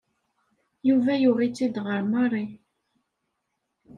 Yuba yuɣ-itt-id ɣer Mary.